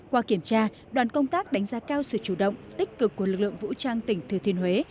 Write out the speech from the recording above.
qua kiểm tra đoàn công tác đánh giá cao sự chủ động tích cực của lực lượng vũ trang tỉnh thừa thiên huế